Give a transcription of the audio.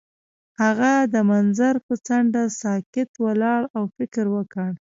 هغه د منظر پر څنډه ساکت ولاړ او فکر وکړ.